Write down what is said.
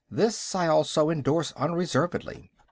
This I also endorse unreservedly.